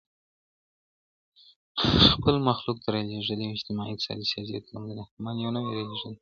خپل مخلوق ته راليږلي او اجتماعي، اقتصادي، سياسي او تمدني احكام يي نوي راليږلي .